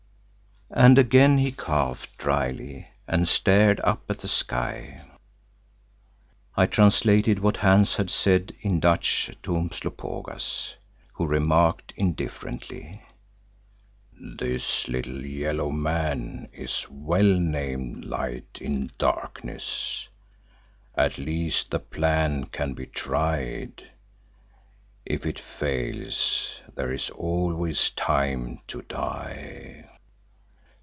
and again he coughed drily and stared up at the sky. I translated what Hans had said in Dutch to Umslopogaas, who remarked indifferently, "This little yellow man is well named Light in Darkness; at least the plan can be tried—if it fails there is always time to die."